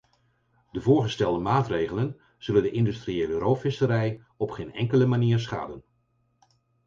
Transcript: De voorgestelde maatregelen zullen de industriële roofvisserij op geen enkele manier schaden.